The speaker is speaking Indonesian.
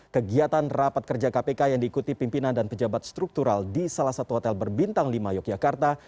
kegiatan rapat kerja kpk yang diikuti pimpinan dan pejabat struktural di salah satu hotel berbintang lima yogyakarta